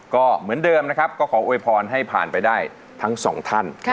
ก็เหมือนเดิมนะครับก็ขอโวยพรให้ผ่านไปได้ทั้งสองท่าน